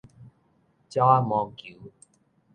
鳥仔毛球